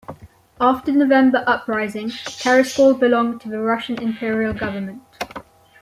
After November Uprising, Terespol belonged to the Russian Imperial government.